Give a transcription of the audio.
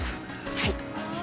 はい。